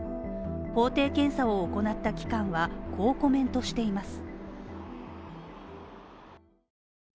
法定検査を行った機関はこうコメントしています。